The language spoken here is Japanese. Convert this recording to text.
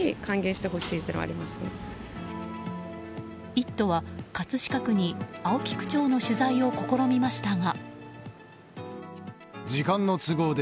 「イット！」は、葛飾区に青木区長の取材を試みましたが。